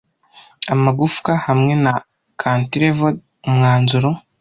Amagufwa hamwe na cantilevered umwanzuro